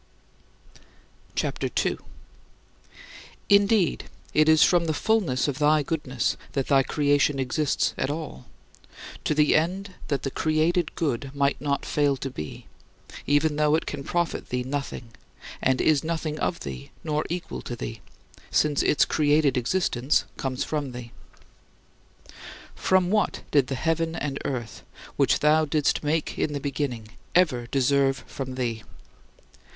CHAPTER II 2. Indeed, it is from the fullness of thy goodness that thy creation exists at all: to the end that the created good might not fail to be, even though it can profit thee nothing, and is nothing of thee nor equal to thee since its created existence comes from thee. For what did the heaven and earth, which thou didst make in the beginning, ever deserve from thee?